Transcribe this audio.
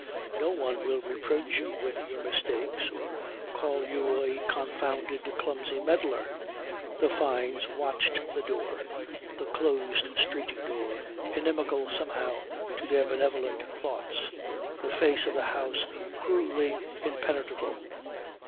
No one will reproach you with your mistakes or call you a confounded, clumsy meddler. The Fynes watched the door, the closed street door inimical somehow to their benevolent thoughts, the face of the house cruelly impenetrable.